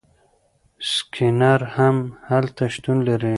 سکینر هم هلته شتون لري.